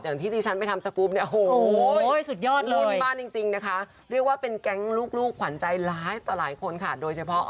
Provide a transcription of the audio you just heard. อย่างที่ที่ฉันไปทำสกูปเนี่ย